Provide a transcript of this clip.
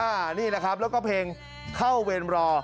อันนี้แหละครับแล้วก็เพลงเข้าเวรรอ